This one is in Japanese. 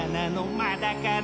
まだかな？